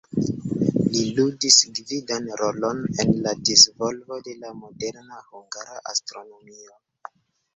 Li ludis gvidan rolon en la disvolvo de la moderna hungara astronomio.